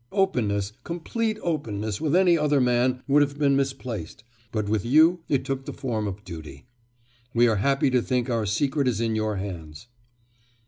Openness, complete openness with any other man would have been misplaced; but with you it took the form of duty. We are happy to think our secret is in your hands.